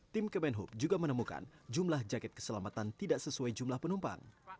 tim kemenhub juga menemukan jumlah jaket keselamatan tidak sesuai jumlah penumpang